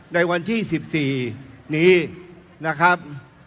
ในวันที่๑๔นี้นะครับ